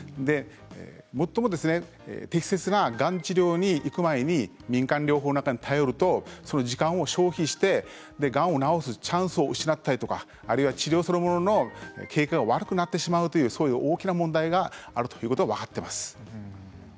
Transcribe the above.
最も適切ながん治療にいく前に民間療法などに頼ってしまうと時間を消費してがんを治すチャンスを失ったりあるいは治療そのものの経過が悪くなってしまうという大きな問題があるということが分かっています。